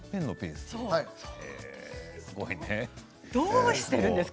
すごいね。